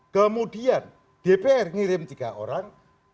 kemudian dpr ngirim tiga orang